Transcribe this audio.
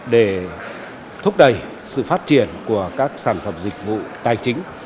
để thúc đẩy sự phát triển của các sản phẩm dịch vụ tài chính